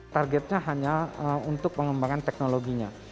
targetnya hanya untuk pengembangan teknologinya